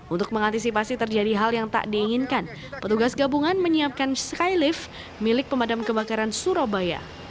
untuk mengantisipasi terjadi hal yang tak diinginkan petugas gabungan menyiapkan skylift milik pemadam kebakaran surabaya